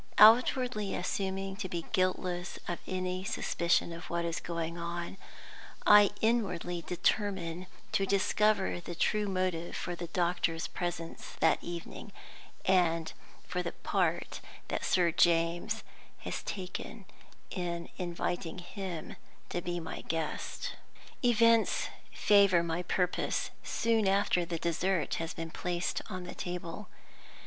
Outwardly assuming to be guiltless of any suspicion of what is going on, I inwardly determine to discover the true motive for the doctor's presence that evening, and for the part that Sir James has taken in inviting him to be my guest. Events favor my purpose soon after the dessert has been placed on the table.